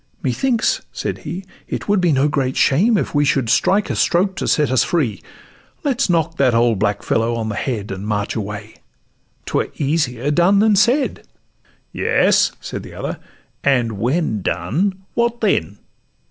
'Methinks,' said he, 'it would be no great shame If we should strike a stroke to set us free; Let 's knock that old black fellow on the head, And march away—'twere easier done than said.' 'Yes,' said the other, 'and when done, what then?